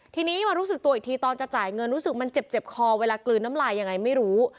ทีนี้มารู้สึกตัวอีกทีตอนจะจ่ายเงินรู้สึกมันเจ็บคอเวลากลืนน้ำลายยังไงไม่รู้